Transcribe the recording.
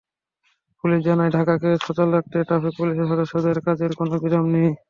Police জানায়, ঢাকাকে সচল রাখতে ট্রাফিক পুলিশের সদস্যদের কাজের কোনো বিরাম নেই।